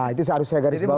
itu harus saya garis bawahin